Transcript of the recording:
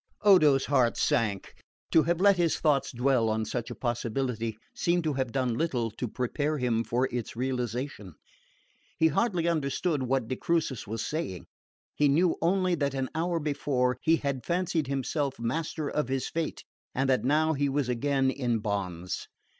Odo's heart sank. To have let his thoughts dwell on such a possibility seemed to have done little to prepare him for its realisation. He hardly understood what de Crucis was saying: he knew only that an hour before he had fancied himself master of his fate and that now he was again in bonds.